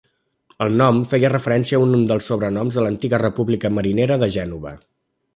El nom feia referència a un dels sobrenoms de l'antiga República marinera de Gènova.